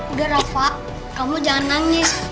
udah rafa kamu jangan nangis